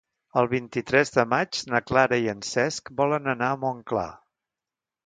El vint-i-tres de maig na Clara i en Cesc volen anar a Montclar.